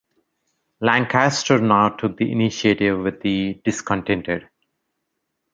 Lancaster now took the initiative with the discontented.